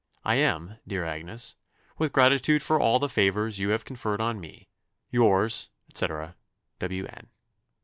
"I am, Dr. Agnes, "With gratitude for all the favours you have conferred on me, "Yours, &c. "W. N."